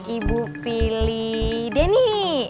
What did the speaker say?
ibu pilih denny